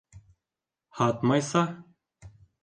— Һатмайса.